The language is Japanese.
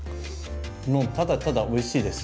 もうただただおいしいです。